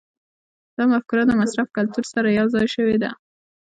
دا مفکوره د مصرف کلتور سره یوځای شوې ده.